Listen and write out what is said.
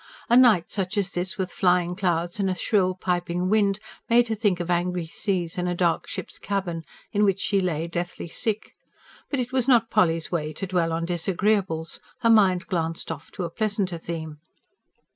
A night such as this, with flying clouds and a shrill, piping wind, made her think of angry seas and a dark ship's cabin, in which she lay deathly sick. But it was not Polly's way to dwell on disagreeables: her mind glanced off to a pleasanter theme.